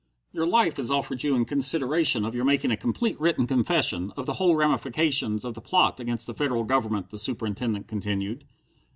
"Your life is offered you in consideration of your making a complete written confession of the whole ramifications of the plot against the Federal Government," the Superintendent continued.